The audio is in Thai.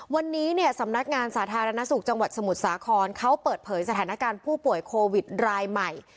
วันนี้เนี่ยสำนักงานสาธารณสุขจังหวัดสมุทรสาครเขาเปิดเผยสถานการณ์ผู้ป่วยโควิดรายใหม่